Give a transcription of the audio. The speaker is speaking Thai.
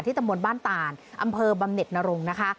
ตำบลบ้านต่านอำเภอบำเน็ตนรงค์นะคะ